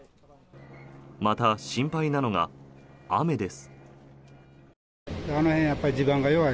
また、心配なのが雨です。